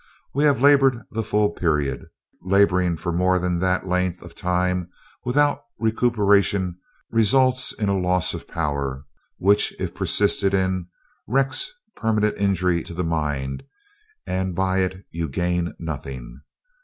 We have labored the full period. Laboring for more than that length of time without recuperation results in a loss of power which, if persisted in, wreaks permanent injury to the mind; and by it you gain nothing.